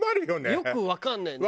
よくわかんないよね。